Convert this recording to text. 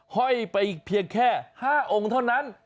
ห้อยไปเพียงแค่๕องค์เท่านั้น